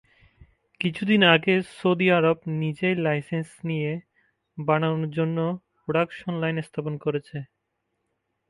কিছুদিন আগে Saudi Arab নিজেই লাইসেন্স নিয়ে বানানোর জন্য প্রোডাকশন লাইন স্থাপন করেছে।